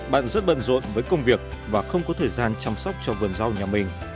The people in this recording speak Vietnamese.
bạn rất bận rộn với công việc và không có thời gian chăm sóc cho vườn rau nhà mình